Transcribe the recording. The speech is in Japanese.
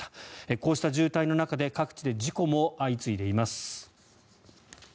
こうした渋滞の中で各地で事故も相次いでいます。